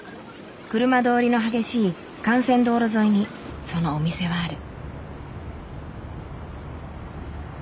車通りの激しい幹線道路沿いにそのお店はある。